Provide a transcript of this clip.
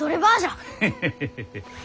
ヘヘヘヘヘ。